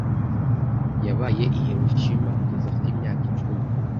Yabaye i Hiroshima kugeza afite imyaka icumi.